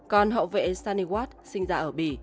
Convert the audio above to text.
còn hậu vệ saniwat sinh ra ở bỉ